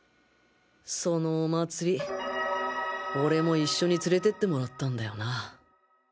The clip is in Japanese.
そのお祭り俺も一緒に連れてってもらったんだよな